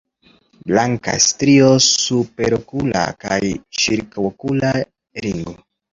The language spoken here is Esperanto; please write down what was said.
Blanka strio superokula kaj ĉirkaŭokula ringo.